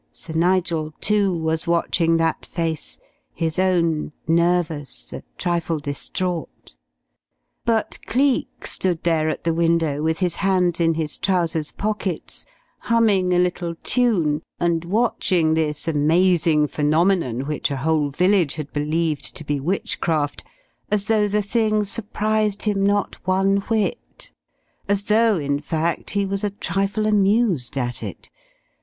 Sir Nigel, too, was watching that face, his own nervous, a trifle distraught. But Cleek stood there at the window with his hands in his trousers' pockets, humming a little tune and watching this amazing phenomenon which a whole village had believed to be witchcraft, as though the thing surprised him not one whit; as though, in fact, he was a trifle amused at it.